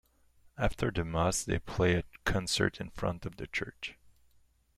After the Mass they play a concert in front of the church.